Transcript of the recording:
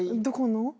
どこの？